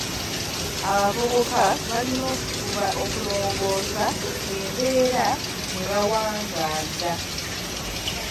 Abavubuka balina okufuba okulongoosa embeera mwe bawangaalira.